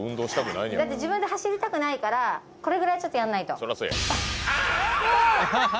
だって自分で走りたくないからこれぐらいちょっとやんないと。